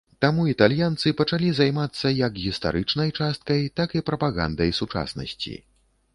Таму італьянцы пачалі займацца як гістарычнай часткай, так і прапагандай сучаснасці.